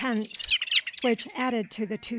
which, added to the 2s.